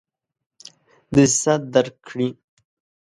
دسیسه درک کړي.